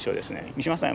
三島さん